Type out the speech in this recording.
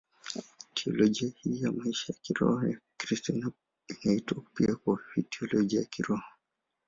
Teolojia hiyo ya maisha ya kiroho ya Kikristo inaitwa pia kifupi Teolojia ya Kiroho.